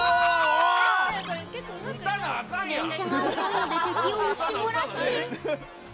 連射が遅いので敵を撃ちもらし。